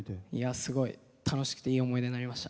すごい楽しくていい思い出になりました。